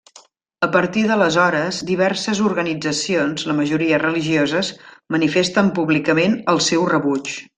A partir d'aleshores, diverses organitzacions, la majoria religioses, manifesten públicament el seu rebuig.